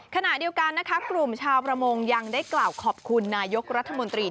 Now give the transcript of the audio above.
ขณะเดียวกันนะคะกลุ่มชาวประมงยังได้กล่าวขอบคุณนายกรัฐมนตรี